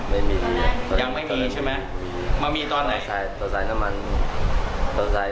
แล้วตอนนั้นรอตอนที่เราขึ้นรถเลยเราได้กินอะไรแปลกมาบ้างไหม